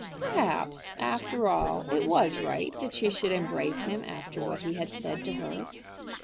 Perhaps, after all, it was right that she should embrace him after what he had said to her.